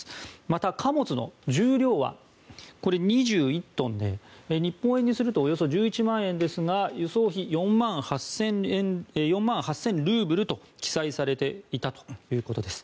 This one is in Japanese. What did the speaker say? また、貨物の重量は２１トンで日本円でおよそ１１万円ですが輸送費４万８０００ルーブルと記載されていたということです。